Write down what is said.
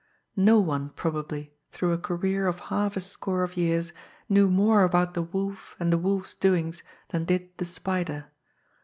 No one probably, through a career of half a score of years, knew more about the Wolf and the Wolf's doings than did the Spider.